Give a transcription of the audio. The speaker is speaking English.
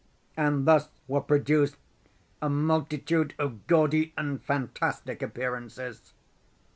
And thus were produced a multitude of gaudy and fantastic appearances.